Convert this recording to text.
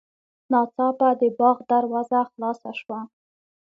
ناڅاپه د باغ دروازه خلاصه شوه.